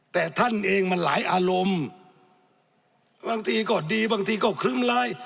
แต่ท่านเองมันหลายอารมณ์บางทีก็ดีบางทีก็ครึ้มร้าย